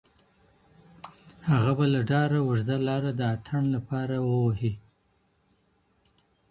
هغه به له ډاره اوږده لاره د اتڼ لپاره ووهي.